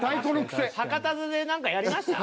博多座で何かやりました？